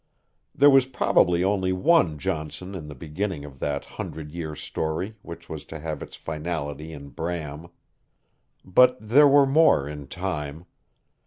There was probably only one Johnson in the beginning of that hundred year story which was to have its finality in Bram. But there were more in time.